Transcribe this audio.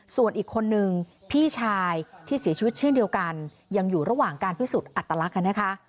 ส่วนอีกคนนึงพี่ชายที่เสียชีวิตเช่นเดียวกันยังอยู่ระหว่างการพิสูจน์อัตลักษณ์นะคะ